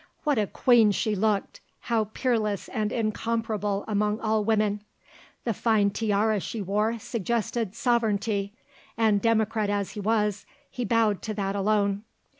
What a queen she looked, how peerless and incomparable among all women! The fine tiara she wore suggested sovereignty, and democrat as he was, he bowed to that alone.